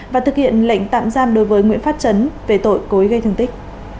và thực hiện lệnh tạm giam đối với nguyễn phát chấn về tội cối gây thương tích